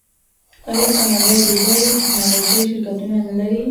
آیا کاناډا د بایو ټیکنالوژۍ شرکتونه نلري؟